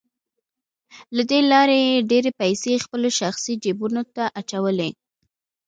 له دې لارې یې ډېرې پیسې خپلو شخصي جیبونو ته اچولې